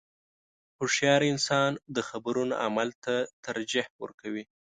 • هوښیار انسان د خبرو نه عمل ته ترجیح ورکوي.